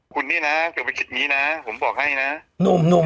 คุณนี่นะเดี๋ยวไปคิดนี้นะผมบอกให้นะ